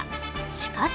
しかし